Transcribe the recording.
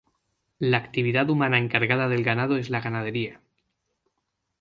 La actividad humana encargada del ganado es la ganadería.